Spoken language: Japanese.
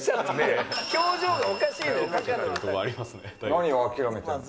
何を諦めてるの？